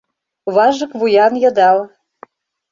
ВАЖЫК ВУЯН ЙЫДАЛ